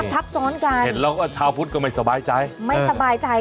ทับซ้อนกันเห็นแล้วว่าชาวพุทธก็ไม่สบายใจ